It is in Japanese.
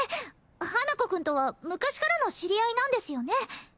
花子くんとは昔からの知り合いなんですよね？